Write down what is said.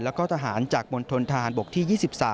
แล้วก็ทหารจากมณฑนทหารบกที่๒๓